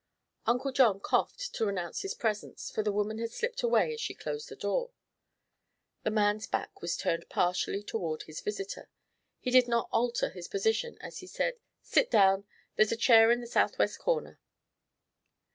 Uncle John coughed to announce his presence, for the woman had slipped away as she closed the door. The man's back was turned partially toward his visitor. He did not alter his position as he said: "Sit down. There's a chair in the southwest corner."